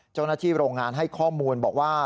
เจ้าหน้าที่โรงงานให้ข้อมูลบอกว่า